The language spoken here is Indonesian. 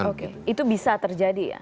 oke itu bisa terjadi ya